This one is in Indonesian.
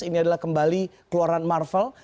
ini adalah kembali keluaran marvel